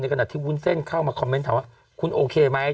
ขณะที่วุ้นเส้นเข้ามาคอมเมนต์ถามว่าคุณโอเคไหม